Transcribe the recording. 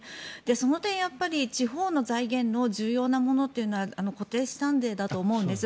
その点、やっぱり地方の財源の重要なものというのは固定資産税だと思うんです。